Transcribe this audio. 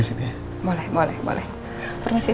saya mau pergi